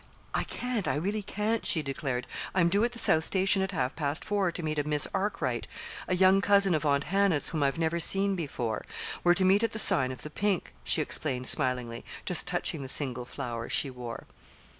"I can't I really can't," she declared. "I'm due at the South Station at half past four to meet a Miss Arkwright, a young cousin of Aunt Hannah's, whom I've never seen before. We're to meet at the sign of the pink," she explained smilingly, just touching the single flower she wore.